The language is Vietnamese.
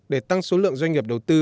để tăng số lượng doanh nghiệp đầu tư